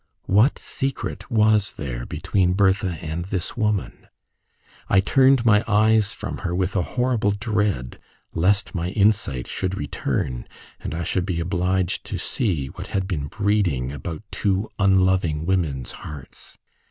What secret was there between Bertha and this woman? I turned my eyes from her with a horrible dread lest my insight should return, and I should be obliged to see what had been breeding about two unloving women's hearts.